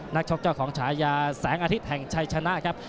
ชกเจ้าของฉายาแสงอาทิตย์แห่งชัยชนะครับ